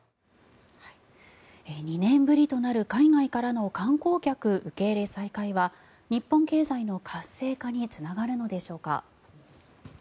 ２年ぶりとなる海外からの観光客受け入れ再開は日本経済の活性化につながるのでしょうか。